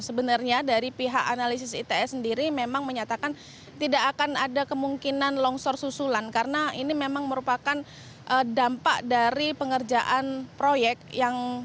sebenarnya dari pihak analisis its sendiri memang menyatakan tidak akan ada kemungkinan longsor susulan karena ini memang merupakan dampak dari pengerjaan proyek yang